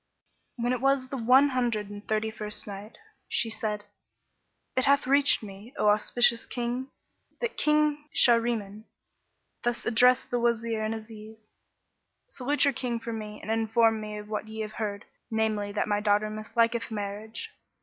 When it was the One Hundred and Thirty first Night, She said, It hath reached me, O auspicious King, that King Shahriman thus addressed the Wazir and Aziz, "Salute your King from me and inform him of what ye have heard, namely that my daughter misliketh marriage."